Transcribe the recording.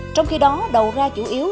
trong khi đó đầu ra chủ yếu